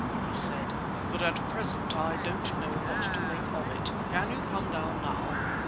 he said; "but at present I don't know what to make of it. Can you come down now?"